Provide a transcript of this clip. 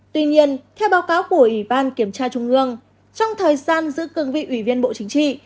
tuy nhiên theo báo cáo của ủy ban kiểm tra trung ương trong thời gian giữ cương vị ủy viên bộ chính trị